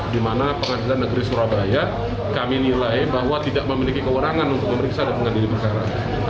di mana pengadilan negeri surabaya kami nilai bahwa tidak memiliki kewenangan untuk memeriksa dan mengadili perkara